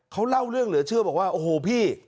เขาเล่าเรื่องเหลือเชื่อบอกว่าโอ้โหพี่